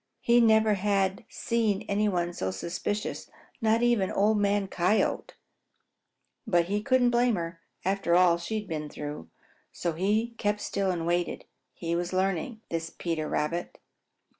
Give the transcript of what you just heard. He never had seen any one so suspicious, not even Old Man Coyote. But he couldn't blame her, after all she had been through. So he kept still and waited. He was learning, was Peter Rabbit.